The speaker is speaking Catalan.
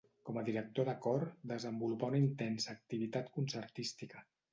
Com a director de cor desenvolupà una intensa activitat concertística.